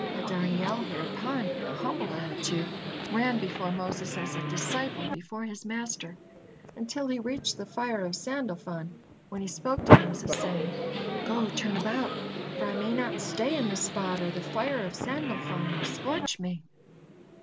Hadarniel hereupon, in a humble attitude, ran before Moses as a disciple before his master, until he reached the fire of Sandalfon, when he spoke to Moses, saying: "Go, turn about, for I may not stay in this spot, or the fire of Sandalfon will scorch me."